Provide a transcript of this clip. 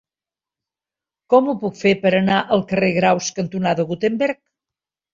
Com ho puc fer per anar al carrer Graus cantonada Gutenberg?